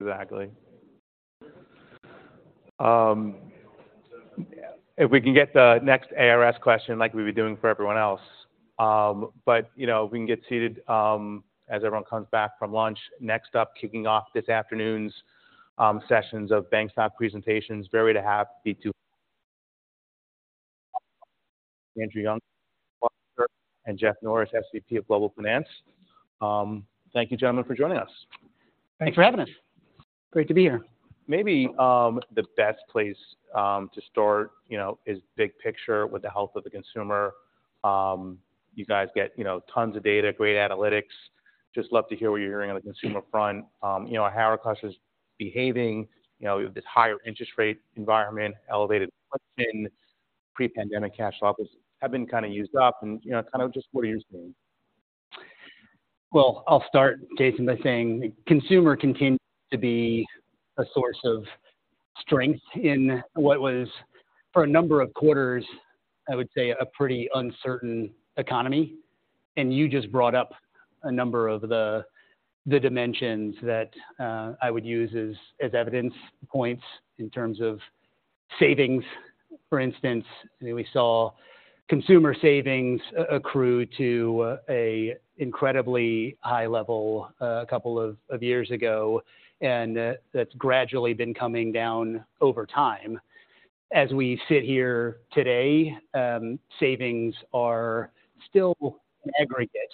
Exactly. If we can get the next ARS question like we've been doing for everyone else. But, you know, if we can get seated as everyone comes back from lunch. Next up, kicking off this afternoon's sessions of bank stock presentations, very happy to Andrew Young and Jeff Norris, SVP of Global Finance. Thank you, gentlemen, for joining us. Thanks for having us. Great to be here. Maybe the best place to start, you know, is big picture with the health of the consumer. You guys get, you know, tons of data, great analytics. Just love to hear what you're hearing on the consumer front. You know, how are customers behaving, you know, with this higher interest rate environment, elevated inflation, pre-pandemic cash offices have been kind of used up and, you know, kind of just what you're seeing. Well, I'll start, Jason, by saying consumer continues to be a source of strength in what was, for a number of quarters, I would say, a pretty uncertain economy. You just brought up a number of the dimensions that I would use as evidence points in terms of savings. For instance, we saw consumer savings accrue to an incredibly high level a couple of years ago, and that's gradually been coming down over time. As we sit here today, savings are still aggregate,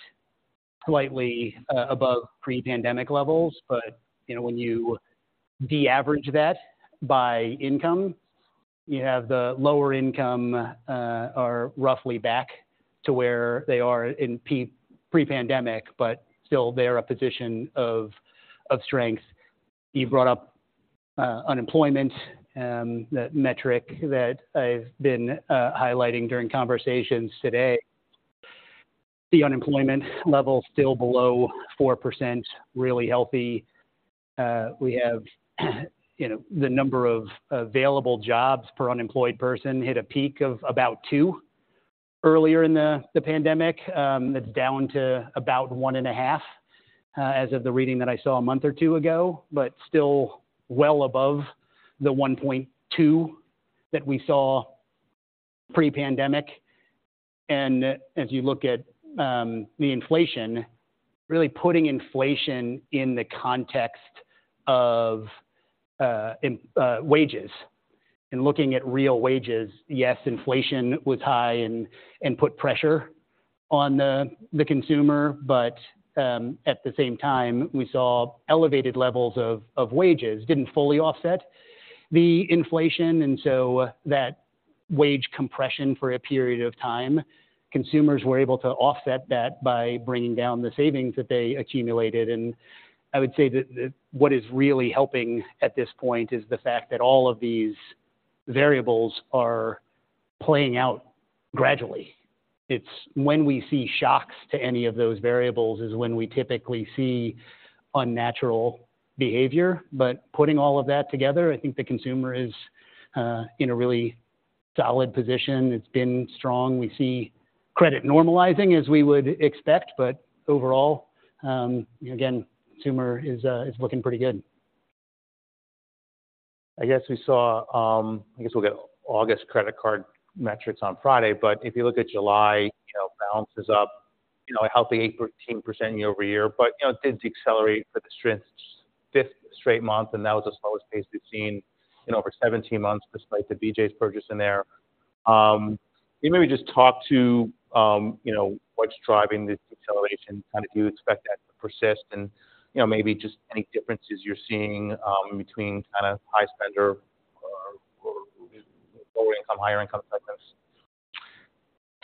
slightly, above pre-pandemic levels, but, you know, when you de-average that by income, you have the lower income are roughly back to where they are in pre-pandemic, but still they're a position of strength. You brought up unemployment, that metric that I've been highlighting during conversations today. The unemployment level is still below 4%, really healthy. We have, you know, the number of available jobs per unemployed person hit a peak of about two earlier in the pandemic. It's down to about 1.5, as of the reading that I saw a month or two ago, but still well above the 1.2 that we saw pre-pandemic. And as you look at the inflation, really putting inflation in the context of wages and looking at real wages, yes, inflation was high and put pressure on the consumer, but at the same time, we saw elevated levels of wages didn't fully offset the inflation, and so that wage compression for a period of time, consumers were able to offset that by bringing down the savings that they accumulated. I would say that what is really helping at this point is the fact that all of these variables are playing out gradually. It's when we see shocks to any of those variables is when we typically see unnatural behavior. But putting all of that together, I think the consumer is in a really solid position. It's been strong. We see credit normalizing as we would expect, but overall, again, consumer is looking pretty good. I guess we saw, I guess we'll get August credit card metrics on Friday, but if you look at July, you know, balance is up, you know, a healthy 18% year-over-year, but, you know, it did accelerate for the fifth straight month, and that was the slowest pace we've seen in over 17 months, despite the BJ's purchase in there. Can you maybe just talk to, you know, what's driving the deceleration? Kind of, do you expect that to persist? And, you know, maybe just any differences you're seeing, between kind of high spender or, or lower income, higher income customers.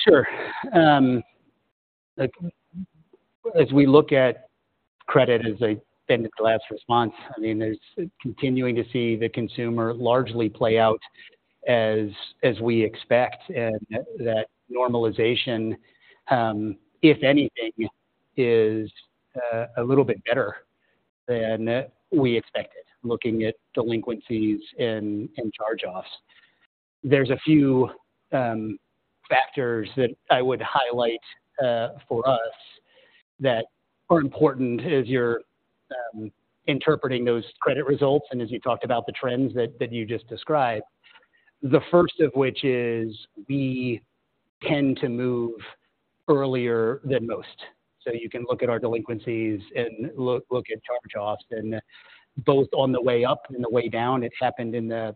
Sure. As we look at credit as an end-of-last resort, I mean, we're continuing to see the consumer largely play out as we expect, and that normalization, if anything, is a little bit better than we expected, looking at delinquencies and charge-offs. There's a few factors that I would highlight for us that are important as you're interpreting those credit results and as you talked about the trends that you just described. The first of which is we tend to move earlier than most. So you can look at our delinquencies and look at charge-offs, and both on the way up and the way down, it's happened in the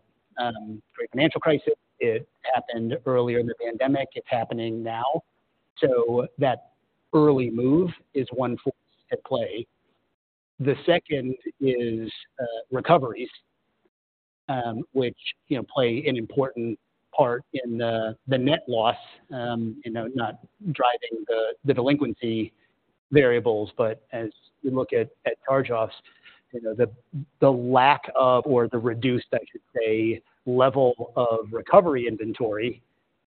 great financial crisis, it happened earlier in the pandemic, it's happening now. So that early move is one force at play. The second is recoveries, which, you know, play an important part in the net loss, you know, not driving the delinquency variables, but as you look at charge-offs, you know, the lack of, or the reduced, I should say, level of recovery inventory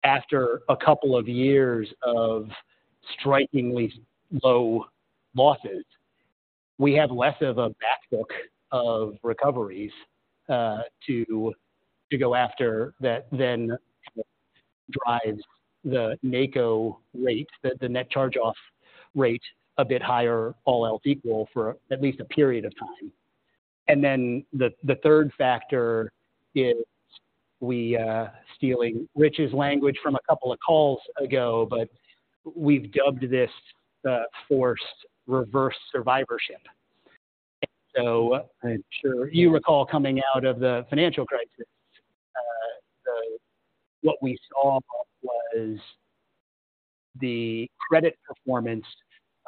after a couple of years of strikingly low losses, we have less of a back book of recoveries to go after than drives the NCO rate, the net charge-off rate, a bit higher, all else equal, for at least a period of time. And then the third factor is we, stealing Rich's language from a couple of calls ago, but we've dubbed this forced reverse survivorship. I'm sure you recall coming out of the financial crisis, so what we saw was the credit performance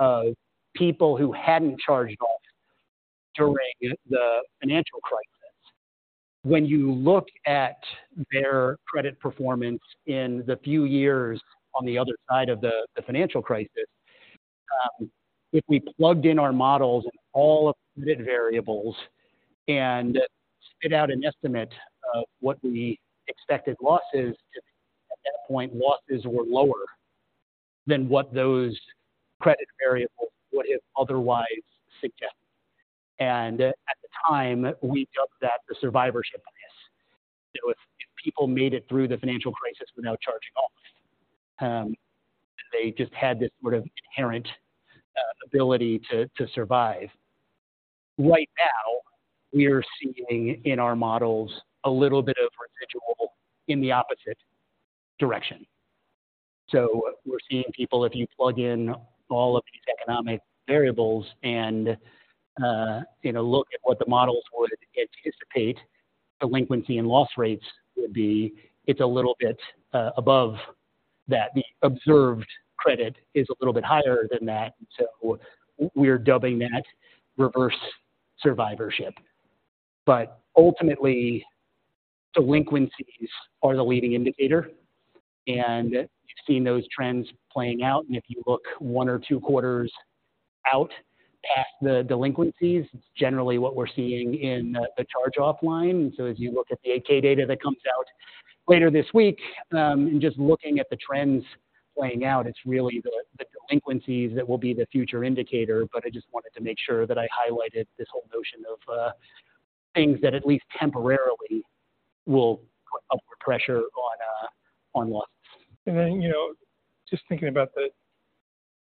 of people who hadn't charged off during the financial crisis. When you look at their credit performance in the few years on the other side of the financial crisis, if we plugged in our models and all of the variables and spit out an estimate of what we expected losses to be, at that point, losses were lower than what those credit variables would otherwise suggest. And at the time, we dubbed that the survivorship bias. It was if people made it through the financial crisis without charging off, they just had this sort of inherent ability to survive. Right now, we are seeing in our models a little bit of residual in the opposite direction. So we're seeing people, if you plug in all of these economic variables and, you know, look at what the models would anticipate, delinquency and loss rates would be, it's a little bit above that. The observed credit is a little bit higher than that, so we're dubbing that reverse survivorship. But ultimately, delinquencies are the leading indicator, and we've seen those trends playing out. And if you look one or two quarters out past the delinquencies, it's generally what we're seeing in the charge-off line. So as you look at the 8-K data that comes out later this week, and just looking at the trends playing out, it's really the delinquencies that will be the future indicator. But I just wanted to make sure that I highlighted this whole notion of things that at least temporarily will put upward pressure on losses. And then, you know, just thinking about the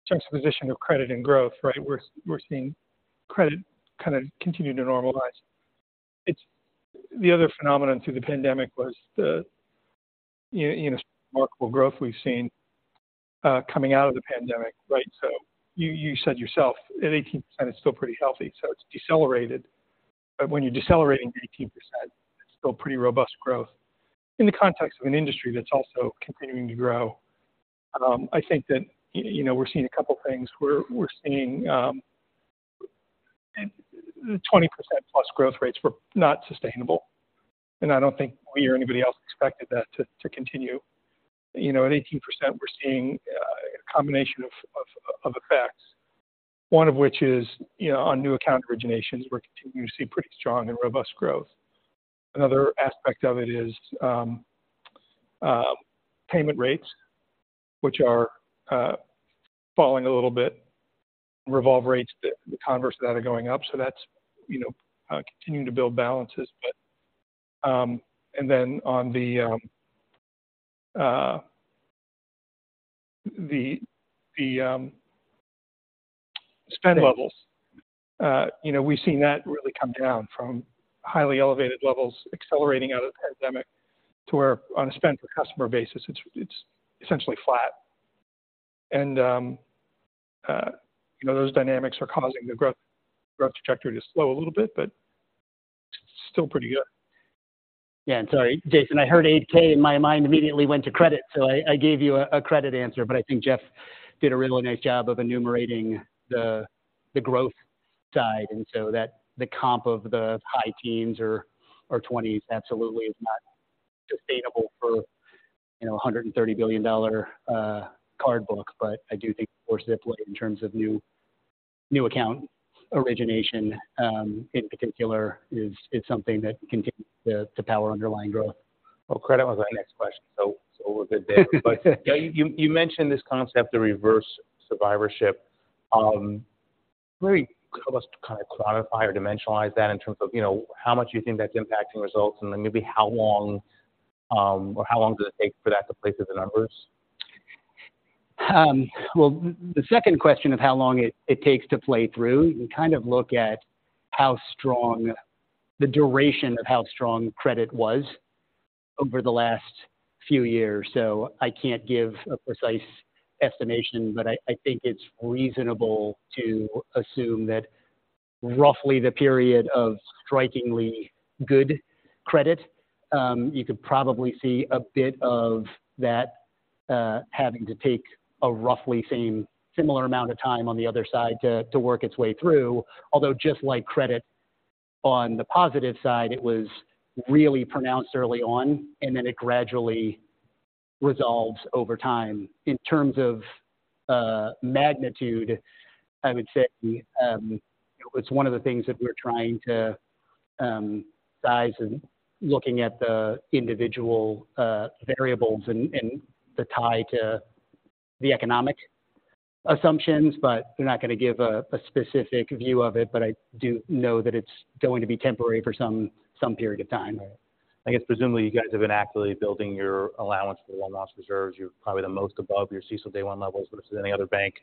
juxtaposition of credit and growth, right? We're seeing credit kind of continue to normalize. It's. The other phenomenon through the pandemic was the, you know, remarkable growth we've seen coming out of the pandemic, right? So you said yourself, at 18%, it's still pretty healthy, so it's decelerated. But when you're decelerating at 18%, it's still pretty robust growth in the context of an industry that's also continuing to grow. I think that, you know, we're seeing a couple things. We're seeing 20%+ growth rates were not sustainable, and I don't think we or anybody else expected that to continue. You know, at 18%, we're seeing a combination of effects, one of which is, you know, on new account originations, we're continuing to see pretty strong and robust growth. Another aspect of it is payment rates, which are falling a little bit. Revolve rates, the converse of that, are going up, so that's, you know, continuing to build balances. But, and then on the spend levels, you know, we've seen that really come down from highly elevated levels, accelerating out of the pandemic to where on a spend per customer basis, it's essentially flat. And, you know, those dynamics are causing the growth trajectory to slow a little bit, but still pretty good. Yeah, and sorry, Jason, I heard 8-K, and my mind immediately went to credit, so I gave you a credit answer. But I think Jeff did a really nice job of enumerating the growth side, and so that the comp of the high teens or twenties absolutely is not sustainable for, you know, a $130 billion card book. But I do think for Ziply, in terms of new account origination, in particular, is something that continues to power underlying growth. Well, credit was my next question, so it's all good there. But you, you mentioned this concept of reverse survivorship. Maybe help us to kind of quantify or dimensionalize that in terms of, you know, how much you think that's impacting results, and then maybe how long, or how long does it take for that to play through the numbers? Well, the second question of how long it takes to play through, you kind of look at how strong—the duration of how strong credit was over the last few years. So I can't give a precise estimation, but I think it's reasonable to assume that roughly the period of strikingly good credit, you could probably see a bit of that having to take a roughly same similar amount of time on the other side to work its way through. Although, just like credit on the positive side, it was really pronounced early on, and then it gradually resolves over time. In terms of magnitude, I would say it's one of the things that we're trying to size and looking at the individual variables and the tie to the economic-... Assumptions, but they're not going to give a specific view of it. But I do know that it's going to be temporary for some period of time. I guess presumably you guys have been actively building your allowance for loan loss reserves. You're probably the most above your CECL day one levels versus any other bank.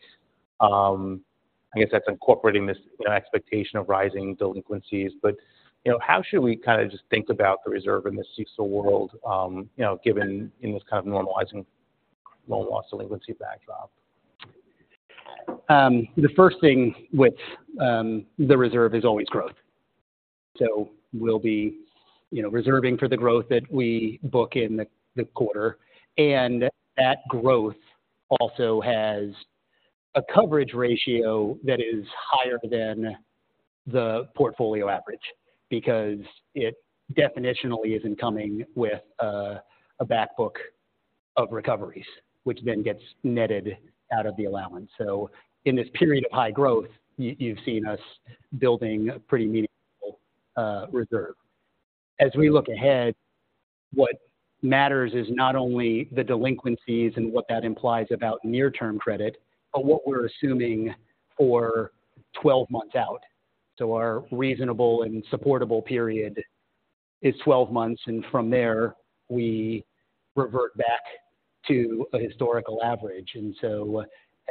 I guess that's incorporating this, you know, expectation of rising delinquencies. But, you know, how should we kind of just think about the reserve in this CECL world, you know, given in this kind of normalizing loan loss delinquency backdrop? The first thing with the reserve is always growth. So we'll be, you know, reserving for the growth that we book in the quarter, and that growth also has a coverage ratio that is higher than the portfolio average because it definitionally isn't coming with a back book of recoveries, which then gets netted out of the allowance. So in this period of high growth, you've seen us building a pretty meaningful reserve. As we look ahead, what matters is not only the delinquencies and what that implies about near-term credit, but what we're assuming for 12 months out. So our reasonable and supportable period is 12 months, and from there, we revert back to a historical average. So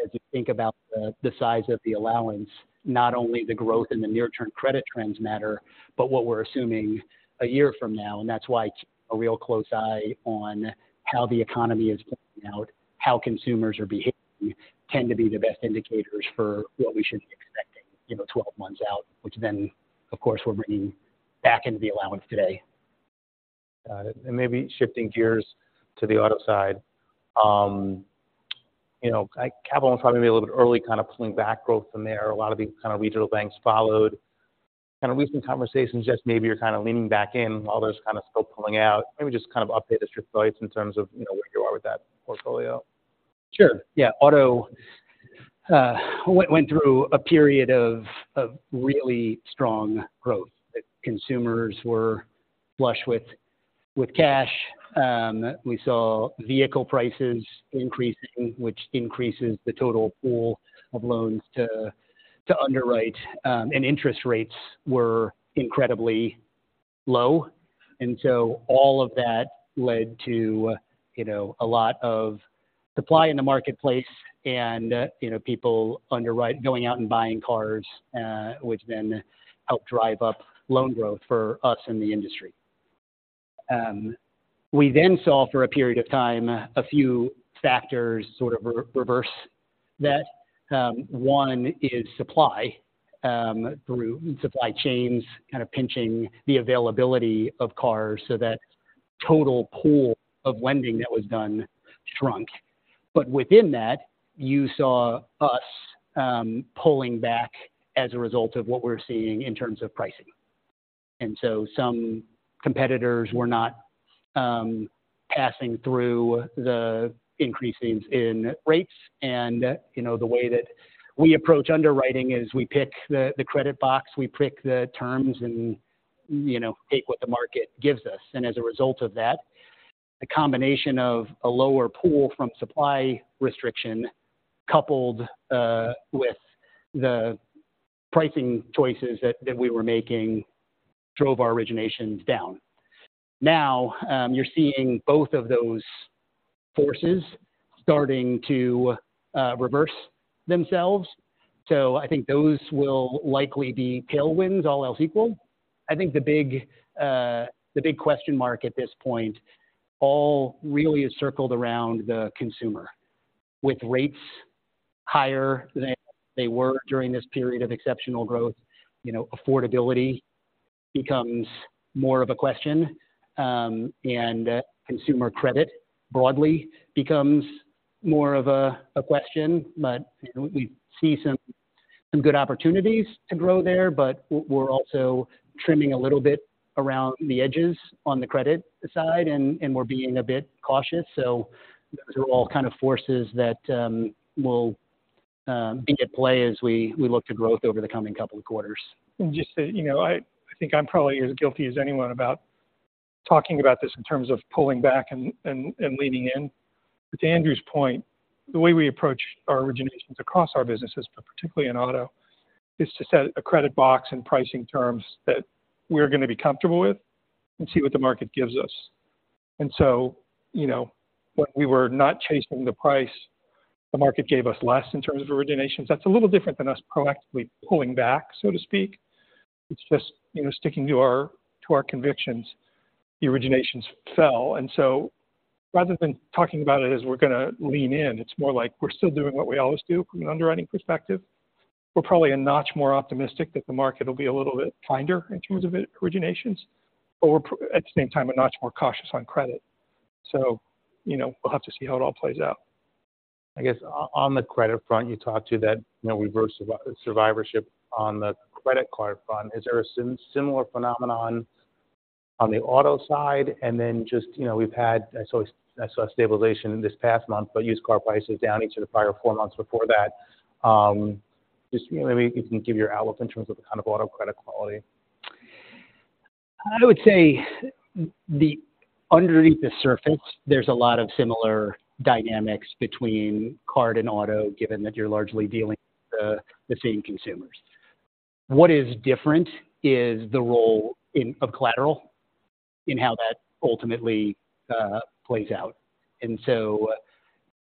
as you think about the size of the allowance, not only the growth in the near term credit trends matter, but what we're assuming a year from now, and that's why it's a real close eye on how the economy is playing out, how consumers are behaving tend to be the best indicators for what we should be expecting, you know, 12 months out, which then, of course, we're bringing back into the allowance today. Got it. And maybe shifting gears to the auto side. You know, Capital probably be a little bit early, kind of pulling back growth from there. A lot of these kind of regional banks followed. Kind of recent conversations, just maybe you're kind of leaning back in while there's kind of still pulling out. Maybe just kind of update us your thoughts in terms of, you know, where you are with that portfolio. Sure. Yeah, auto went through a period of really strong growth. Consumers were flush with cash. We saw vehicle prices increasing, which increases the total pool of loans to underwrite, and interest rates were incredibly low. And so all of that led to, you know, a lot of supply in the marketplace and, you know, people underwrite going out and buying cars, which then helped drive up loan growth for us and the industry. We then saw for a period of time, a few factors sort of re-reverse that. One is supply, through supply chains, kind of pinching the availability of cars so that total pool of lending that was done shrunk. But within that, you saw us pulling back as a result of what we're seeing in terms of pricing. And so some competitors were not passing through the increases in rates. And, you know, the way that we approach underwriting is we pick the credit box, we pick the terms and, you know, take what the market gives us. And as a result of that, the combination of a lower pool from supply restriction, coupled with the pricing choices that we were making, drove our originations down. Now, you're seeing both of those forces starting to reverse themselves. So I think those will likely be tailwinds, all else equal. I think the big question mark at this point all really is circled around the consumer. With rates higher than they were during this period of exceptional growth, you know, affordability becomes more of a question, and consumer credit broadly becomes more of a question. But we see some good opportunities to grow there, but we're also trimming a little bit around the edges on the credit side, and we're being a bit cautious. So those are all kind of forces that will be at play as we look to growth over the coming couple of quarters. Just so you know, I think I'm probably as guilty as anyone about talking about this in terms of pulling back and leaning in. But to Andrew's point, the way we approach our originations across our businesses, but particularly in auto, is to set a credit box and pricing terms that we're going to be comfortable with and see what the market gives us. And so, you know, when we were not chasing the price, the market gave us less in terms of originations. That's a little different than us proactively pulling back, so to speak. It's just, you know, sticking to our convictions, the originations fell. And so rather than talking about it as we're going to lean in, it's more like we're still doing what we always do from an underwriting perspective. We're probably a notch more optimistic that the market will be a little bit kinder in terms of originations, but we're, at the same time, a notch more cautious on credit. So, you know, we'll have to see how it all plays out. I guess on the credit front, you talked to that, you know, reverse survivorship on the credit card front. Is there a similar phenomenon on the auto side? And then just, you know, we've had, I saw, I saw stabilization this past month, but used car prices down each of the prior four months before that. Just maybe you can give your outlook in terms of the kind of auto credit quality. I would say underneath the surface, there's a lot of similar dynamics between card and auto, given that you're largely dealing with the same consumers. What is different is the role of collateral and how that ultimately plays out. And so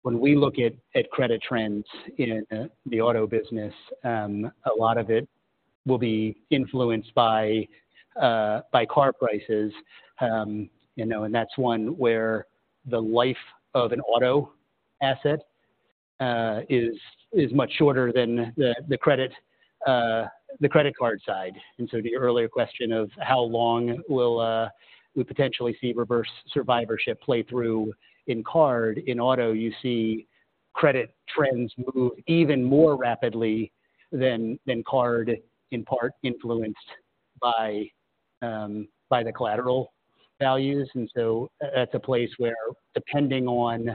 when we look at credit trends in the auto business, a lot of it will be influenced by car prices. You know, and that's one where the life of an auto asset is much shorter than the credit card side. And so the earlier question of how long will we potentially see reverse survivorship play through in card, in auto, you see credit trends move even more rapidly than card, in part influenced by the collateral values. That's a place where, depending on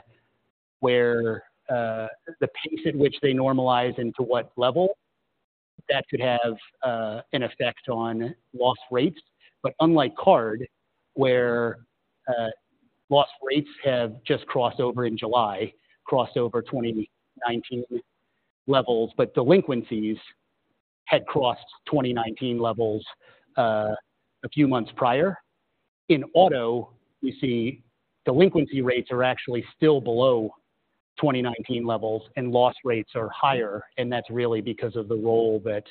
where the pace at which they normalize and to what level, that could have an effect on loss rates. But unlike card, where loss rates have just crossed over in July, crossed over 2019 levels, but delinquencies had crossed 2019 levels a few months prior. In auto, we see delinquency rates are actually still below 2019 levels, and loss rates are higher, and that's really because of the role that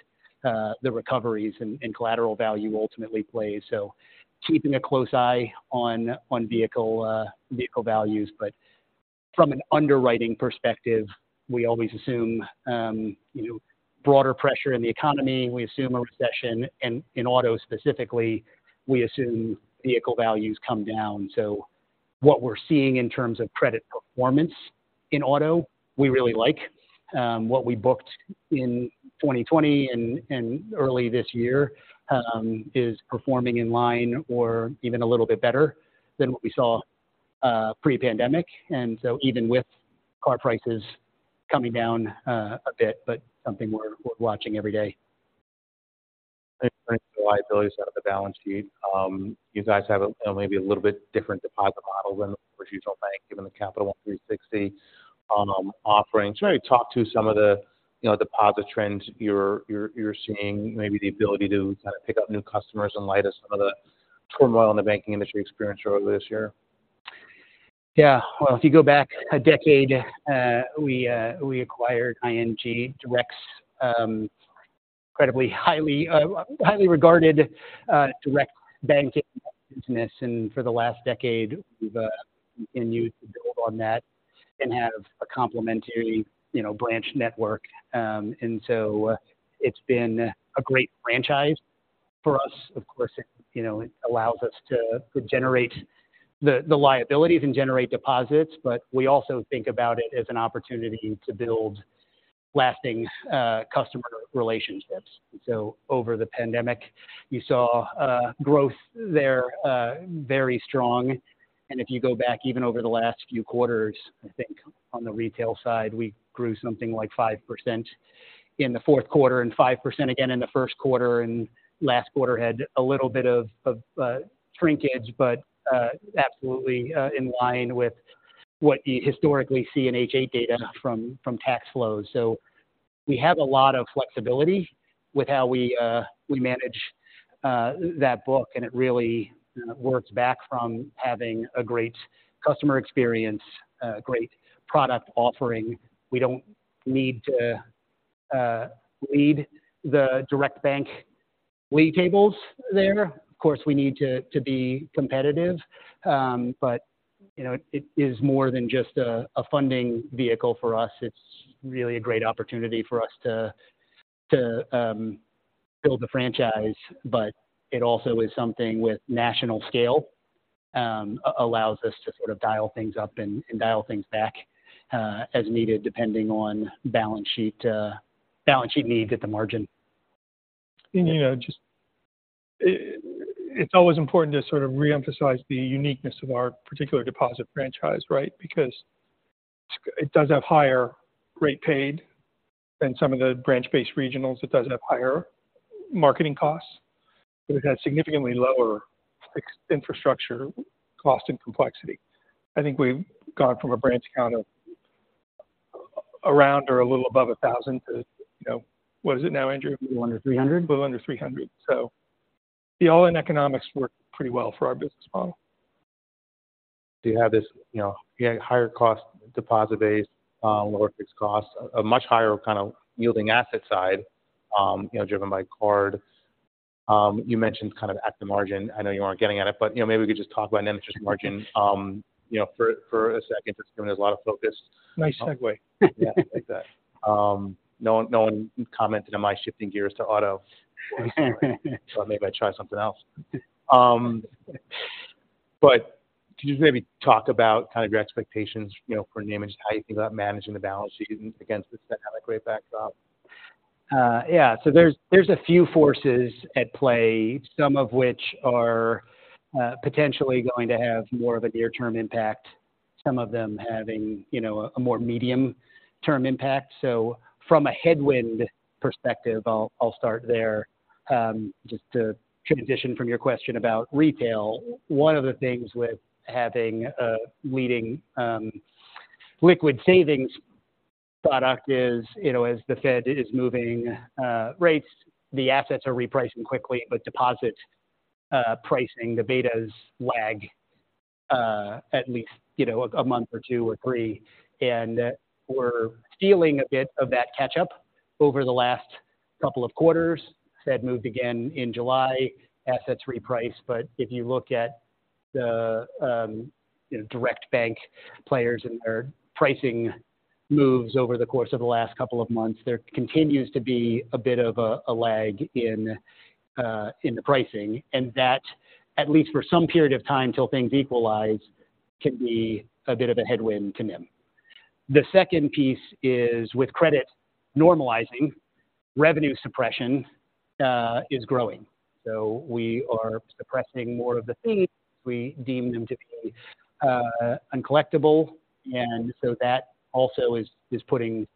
the recoveries and collateral value ultimately plays. Keeping a close eye on vehicle values. From an underwriting perspective, we always assume you know, broader pressure in the economy, we assume a recession, and in auto specifically, we assume vehicle values come down. What we're seeing in terms of credit performance in auto, we really like. What we booked in 2020 and early this year is performing in line or even a little bit better than what we saw pre-pandemic. And so even with car prices coming down a bit, but something we're watching every day. Thank you. The liability side of the balance sheet. You guys have a maybe a little bit different deposit model than a traditional bank, given the Capital One 360 offering. Just maybe talk to some of the, you know, deposit trends you're seeing, maybe the ability to kind of pick up new customers in light of some of the turmoil in the banking industry experienced earlier this year. Yeah. Well, if you go back a decade, we acquired ING Direct incredibly highly regarded direct banking business. And for the last decade, we've continued to build on that and have a complementary, you know, branch network. And so it's been a great franchise for us. Of course, it, you know, it allows us to generate the liabilities and generate deposits, but we also think about it as an opportunity to build lasting customer relationships. So over the pandemic, you saw growth there, very strong. And if you go back even over the last few quarters, I think on the retail side, we grew something like 5% in the fourth quarter and 5% again in the first quarter, and last quarter had a little bit of shrinkage, but absolutely in line with what you historically see in HA data from tax flows. So we have a lot of flexibility with how we manage that book, and it really works back from having a great customer experience, great product offering. We don't need to lead the direct bank lead tables there. Of course, we need to be competitive, but you know, it is more than just a funding vehicle for us. It's really a great opportunity for us to build the franchise, but it also is something with national scale, allows us to sort of dial things up and dial things back, as needed, depending on balance sheet needs at the margin. You know, just, it's always important to sort of reemphasize the uniqueness of our particular deposit franchise, right? Because it does have higher rate paid than some of the branch-based regionals. It does have higher marketing costs, but it has significantly lower infrastructure cost and complexity. I think we've gone from a branch count of around or a little above 1,000 to, you know... What is it now, Andrew? Little under $300. Little under 300. So the all-in economics work pretty well for our business model. Do you have this, you know, higher cost deposit base, lower fixed cost, a much higher kind of yielding asset side, you know, driven by card? You mentioned kind of at the margin, I know you aren't getting at it, but, you know, maybe we could just talk about net interest margin, you know, for, for a second. It's been a lot of focus. Nice segue. Yeah, I like that. No one, no one commented on my shifting gears to auto. So maybe I try something else. But could you just maybe talk about kind of your expectations, you know, for the NIM, how you think about managing the balance sheet against this dynamic rate backdrop? Yeah. So there's a few forces at play, some of which are potentially going to have more of a near-term impact, some of them having, you know, a more medium-term impact. So from a headwind perspective, I'll start there. Just to transition from your question about retail, one of the things with having a leading liquid savings product is, you know, as the Fed is moving rates, the assets are repricing quickly, but deposit pricing, the betas lag at least, you know, a month or two or three. And we're feeling a bit of that catch up over the last couple of quarters. Fed moved again in July, assets reprice. But if you look at the, you know, direct bank players and their pricing moves over the course of the last couple of months, there continues to be a bit of a lag in the pricing, and that, at least for some period of time, till things equalize, can be a bit of a headwind to NIM. The second piece is, with credit normalizing, revenue suppression is growing. So we are suppressing more of the fees we deem them to be uncollectible, and so that also is putting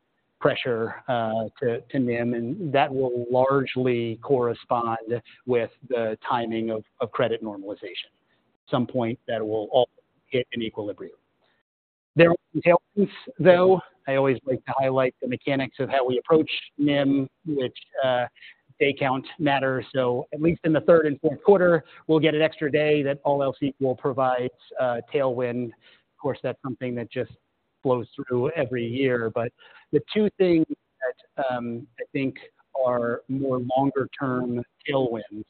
pressure to NIM, and that will largely correspond with the timing of credit normalization. At some point, that will all hit an equilibrium. There are tailwinds, though. I always like to highlight the mechanics of how we approach NIM, which day count matters. So at least in the third and fourth quarter, we'll get an extra day that all else equal provides a tailwind. Of course, that's something that just flows through every year. But the two things that I think are more longer-term tailwinds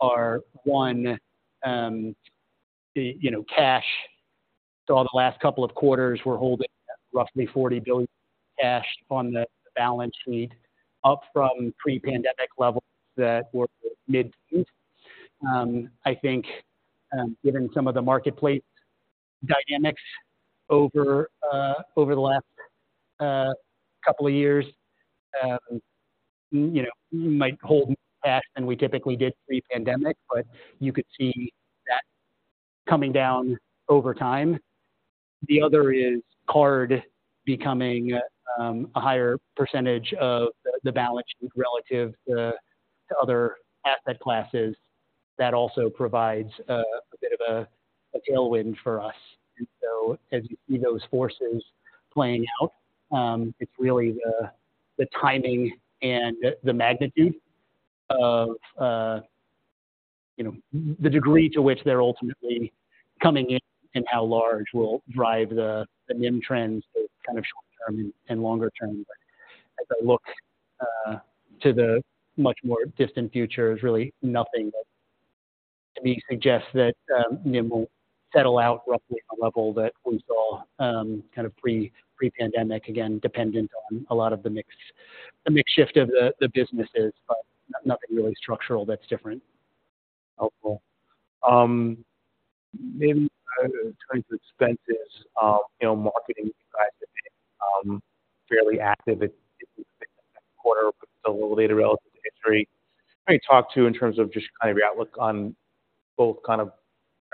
are, one, the, you know, cash. So over the last couple of quarters, we're holding roughly $40 billion cash on the balance sheet, up from pre-pandemic levels that were mid. I think, given some of the marketplace dynamics over the last couple of years, you know, we might hold more cash than we typically did pre-pandemic, but you could see that coming down over time. The other is card becoming a higher percentage of the balance sheet relative to other asset classes. That also provides a bit of a tailwind for us. And so as you see those forces playing out, it's really the timing and the magnitude of, you know, the degree to which they're ultimately coming in and how large will drive the NIM trends, both kind of short term and longer term. But as I look to the much more distant future, there's really nothing that suggests that NIM will settle out roughly at a level that we saw kind of pre-pandemic, again, dependent on a lot of the mix, the mix shift of the businesses, but nothing really structural that's different. Helpful. Maybe in terms of expenses, you know, marketing, you guys have been fairly active in the second quarter, but still a little later relative to history. Can you talk to in terms of just kind of your outlook on both kind of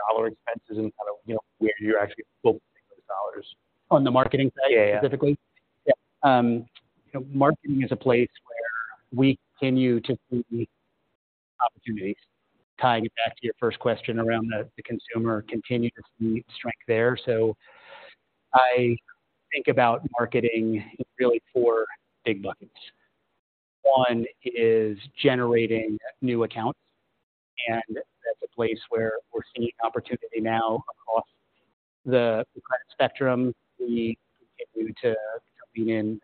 dollar expenses and kind of, you know, where you're actually focusing those dollars? On the marketing side specifically? Yeah. Yeah. You know, marketing is a place where we continue to see opportunities. Tying it back to your first question around the consumer continues to be strength there. So I think about marketing in really four big buckets. One is generating new accounts, and that's a place where we're seeing opportunity now across the spectrum. We continue to lean in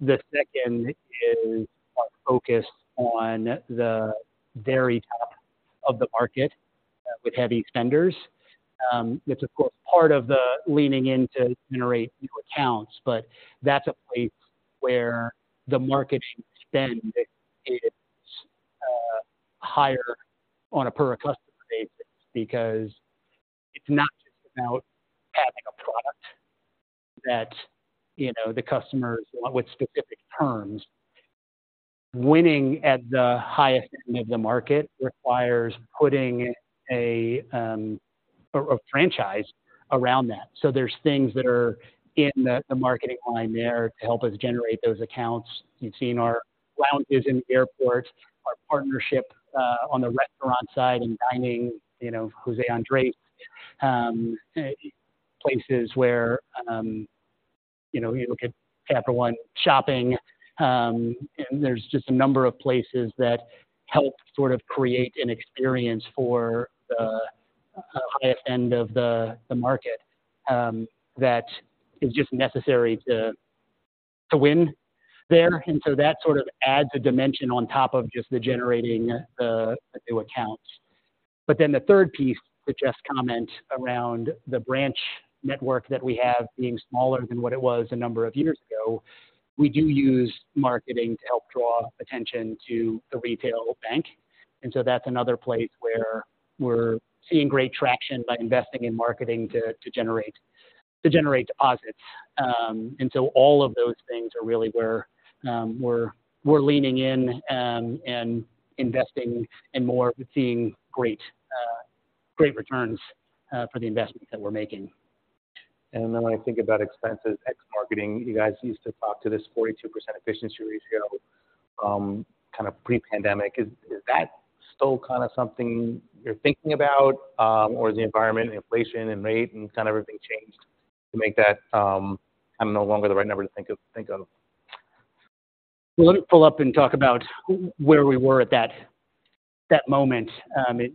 there. The second is our focus on the very top of the market with heavy spenders. That's of course part of the leaning in to generate new accounts, but that's a place where the market should spend. It is higher on a per customer basis because it's not just about having a product that, you know, the customers want with specific terms. Winning at the highest end of the market requires putting a franchise around that. So there's things that are in the marketing line there to help us generate those accounts. You've seen our lounges in airports, our partnership on the restaurant side and dining, you know, José Andrés, places where you know you look at Capital One Shopping, and there's just a number of places that help sort of create an experience for the highest end of the market that is just necessary to win there. And so that sort of adds a dimension on top of just generating the new accounts. But then the third piece, the just comment around the branch network that we have being smaller than what it was a number of years ago, we do use marketing to help draw attention to the retail bank. And so that's another place where we're seeing great traction by investing in marketing to generate deposits. And so all of those things are really where we're leaning in and investing, and more seeing great returns for the investments that we're making. Then when I think about expenses, ex-marketing, you guys used to talk to this 42% efficiency ratio, kind of pre-pandemic. Is that still kind of something you're thinking about, or is the environment inflation and rate and kind of everything changed to make that kind of no longer the right number to think of? Let me pull up and talk about where we were at that moment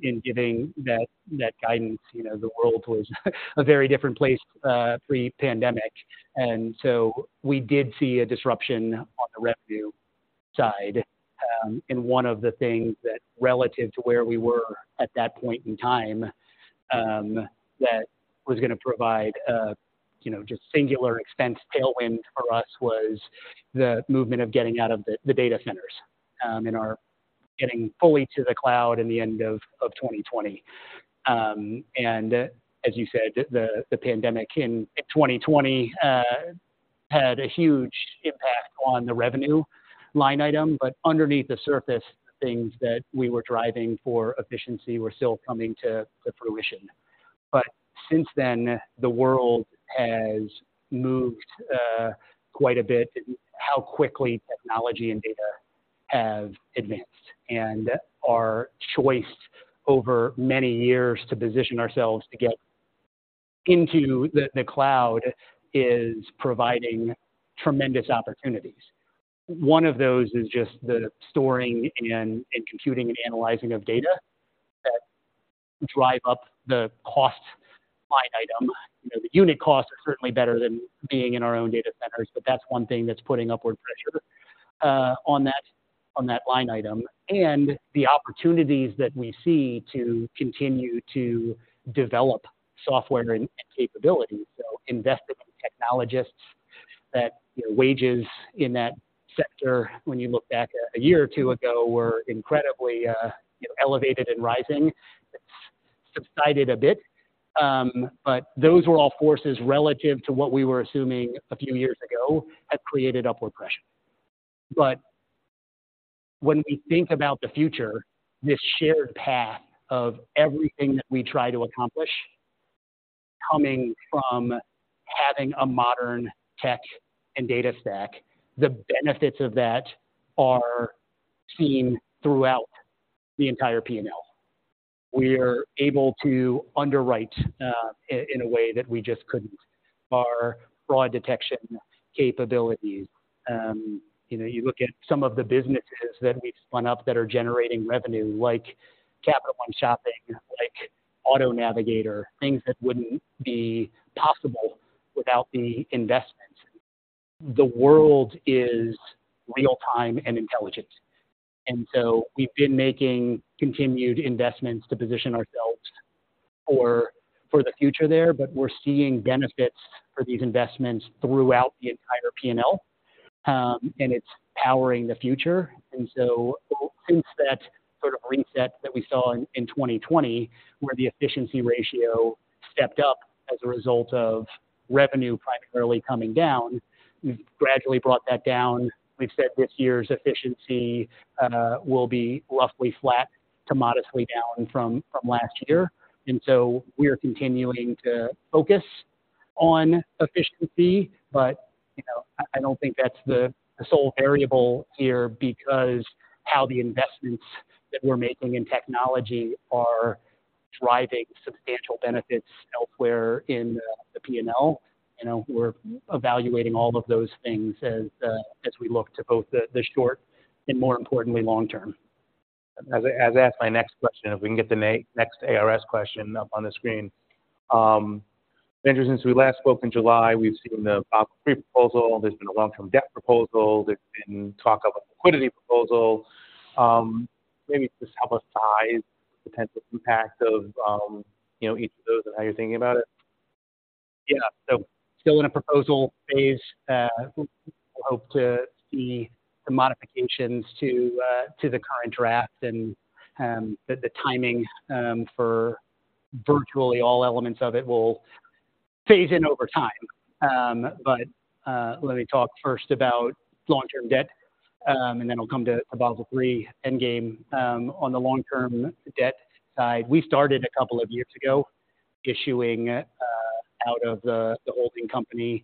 in giving that guidance. You know, the world was a very different place pre-pandemic. And so we did see a disruption on the revenue side. And one of the things that relative to where we were at that point in time that was going to provide a you know just singular expense tailwind for us was the movement of getting out of the data centers and we're getting fully to the cloud by the end of 2020. And as you said, the pandemic in 2020 had a huge impact on the revenue line item, but underneath the surface, things that we were driving for efficiency were still coming to fruition. But since then, the world has moved quite a bit, how quickly technology and data have advanced. And our choice over many years to position ourselves to get into the cloud is providing tremendous opportunities. One of those is just the storing and computing and analyzing of data that drive up the cost line item. You know, the unit costs are certainly better than being in our own data centers, but that's one thing that's putting upward pressure on that line item. And the opportunities that we see to continue to develop software and capabilities. So investing in technologists that, you know, wages in that sector, when you look back a year or two ago, were incredibly you know, elevated and rising. It's subsided a bit, but those were all forces relative to what we were assuming a few years ago, have created upward pressure. But when we think about the future, this shared path of everything that we try to accomplish coming from having a modern tech and data stack, the benefits of that are seen throughout the entire P&L. We're able to underwrite in a way that we just couldn't. Our fraud detection capabilities, you know, you look at some of the businesses that we've spun up that are generating revenue, like Capital One Shopping, like Auto Navigator, things that wouldn't be possible without the investment. The world is real-time and intelligent, and so we've been making continued investments to position ourselves for, for the future there, but we're seeing benefits for these investments throughout the entire P&L, and it's powering the future. And so since that sort of reset that we saw in 2020, where the efficiency ratio stepped up as a result of revenue primarily coming down, we've gradually brought that down. We've said this year's efficiency will be roughly flat to modestly down from last year. And so we are continuing to focus on efficiency, but, you know, I don't think that's the sole variable here because how the investments that we're making in technology are driving substantial benefits elsewhere in the P&L. You know, we're evaluating all of those things as we look to both the short and more importantly, long term. As I ask my next question, if we can get the next ARS question up on the screen. Andrew, since we last spoke in July, we've seen the Basel III proposal, there's been a long-term debt proposal, there's been talk of a liquidity proposal. Maybe just help us size the potential impact of, you know, each of those and how you're thinking about it. Yeah. So still in a proposal phase, we hope to see the modifications to the current draft and the timing for virtually all elements of it will phase in over time. But let me talk first about long-term debt and then I'll come to Basel III Endgame. On the long-term debt side, we started a couple of years ago issuing out of the holding company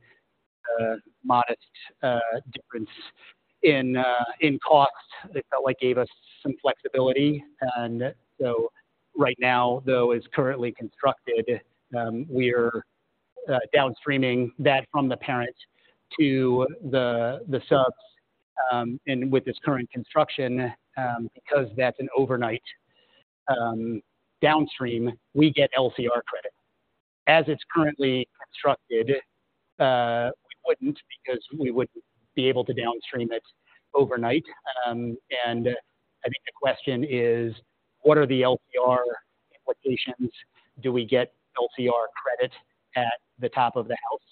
a modest difference in costs. They felt like gave us some flexibility, and so right now, though, is currently constructed, we are down streaming that from the parent to the subs, and with this current construction, because that's an overnight downstream, we get LCR credit. As it's currently constructed, we wouldn't because we wouldn't be able to downstream it overnight. And I think the question is, what are the LCR implications? Do we get LCR credit at the top of the house?...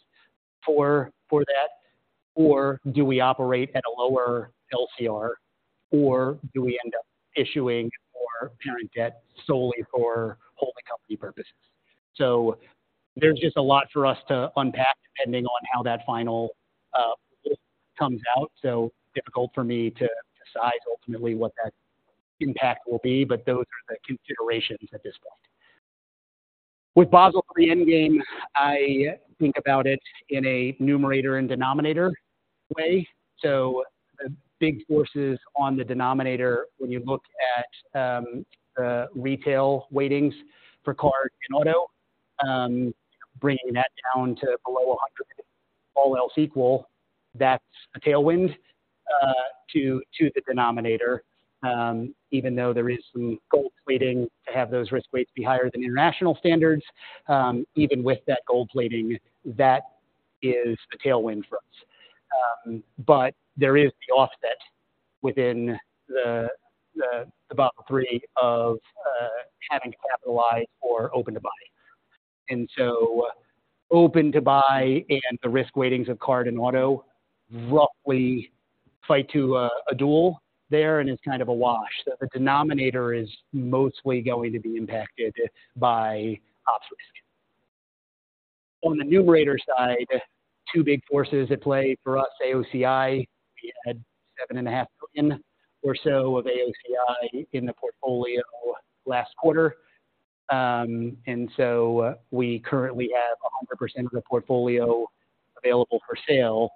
for that? Or do we operate at a lower LCR? Or do we end up issuing more parent debt solely for holding company purposes? So there's just a lot for us to unpack depending on how that final comes out. So difficult for me to decide ultimately what that impact will be, but those are the considerations at this point. With Basel III Endgame, I think about it in a numerator and denominator way. So big forces on the denominator when you look at retail weightings for card and auto, bringing that down to below 100, all else equal, that's a tailwind to the denominator. Even though there is some gold plating to have those risk weights be higher than international standards, even with that gold plating, that is a tailwind for us. But there is the offset within the Basel III of having to capitalize for open to buy. And so open to buy and the risk weightings of card and auto roughly fight to a duel there, and it's kind of a wash. The denominator is mostly going to be impacted by ops risk. On the numerator side, two big forces at play for us, AOCI. We had 7.5 billion or so of AOCI in the portfolio last quarter. And so we currently have 100% of the portfolio available for sale.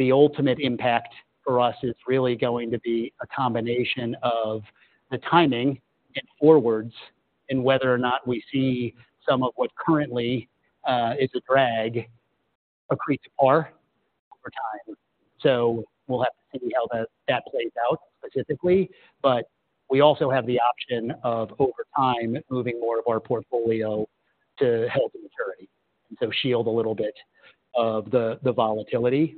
The ultimate impact for us is really going to be a combination of the timing and forwards, and whether or not we see some of what currently is a drag, accrete to par over time. So we'll have to see how that plays out specifically, but we also have the option of, over time, moving more of our portfolio to held to maturity, and so shield a little bit of the volatility.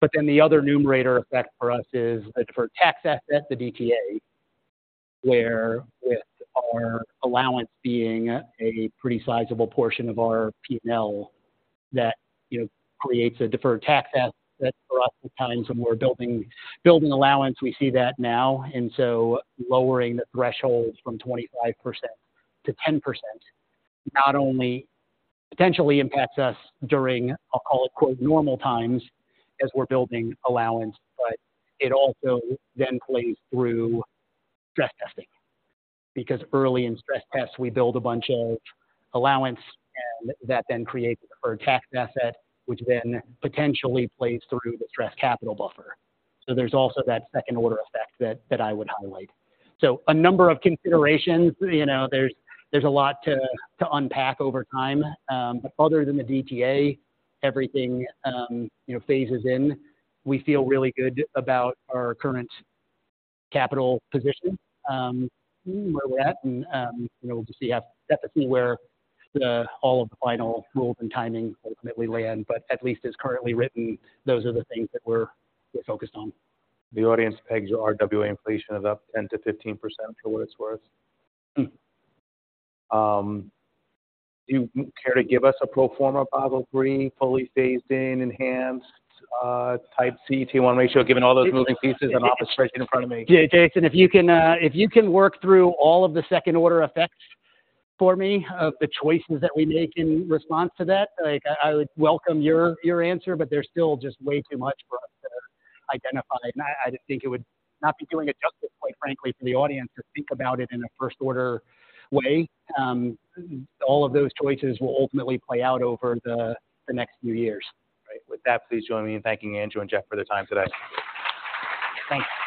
But then the other numerator effect for us is for tax assets, the DTA, where with our allowance being a pretty sizable portion of our P&L, that, you know, creates a deferred tax asset for us. The times when we're building, building allowance, we see that now, and so lowering the thresholds from 25%-10% not only potentially impacts us during, I'll call it "normal times" as we're building allowance, but it also then plays through stress testing. Because early in stress tests, we build a bunch of allowance, and that then creates a deferred tax asset, which then potentially plays through the stress capital buffer. So there's also that second-order effect that, that I would highlight. So a number of considerations, you know, there's, there's a lot to, to unpack over time. But other than the DTA, everything, you know, phases in. We feel really good about our current capital position, where we're at, and, you know, we'll just see how, definitely where all of the final rules and timing ultimately land, but at least as currently written, those are the things that we're focused on. The audience pegs RWA inflation is up 10%-15% for what it's worth. Do you care to give us a pro forma Basel III, fully phased in, enhanced, CET1 ratio, given all those moving pieces and operations in front of me? Yeah, Jason, if you can work through all of the second-order effects for me, of the choices that we make in response to that, like, I would welcome your answer, but there's still just way too much for us to identify. And I think it would not be doing it justice, quite frankly, for the audience to think about it in a first-order way. All of those choices will ultimately play out over the next few years. Right. With that, please join me in thanking Andrew and Jeff for their time today. Thanks.